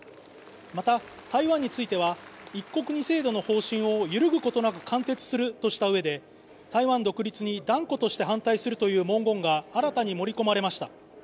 また、台湾については、一国二制度の方針を揺るぐことなく貫徹するとしたうえで、台湾独立に断固として反対するという文言が新たに盛り込まれました。